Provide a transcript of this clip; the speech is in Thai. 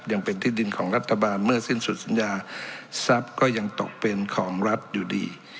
ยังเป็นที่ดินของรัฐบาลเมื่อสิ้นสุดสัญญาทรัพย์ก็ยังตกเป็นของรัฐอยู่ดี